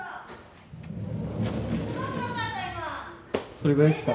これぐらいっすか？